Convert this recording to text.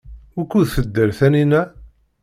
Wukud tedder Taninna?